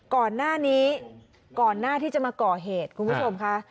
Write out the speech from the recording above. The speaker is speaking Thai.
ก่อนหน้านี้ก่อนหน้าที่จะมาก่อเหตุคุณผู้ชมค่ะ